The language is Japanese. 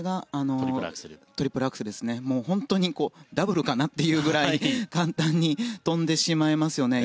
トリプルアクセルは本当にダブルかなというぐらい簡単に跳んでしまいますよね。